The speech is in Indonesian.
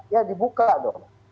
ya dibuka dong